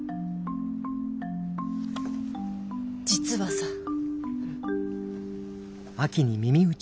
実はさ。